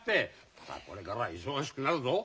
お前これからは忙しくなるぞ。